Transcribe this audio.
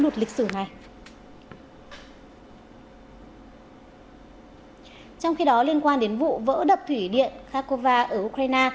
trong khi đó liên quan đến vụ vỡ đập thủy điện khakova ở ukraine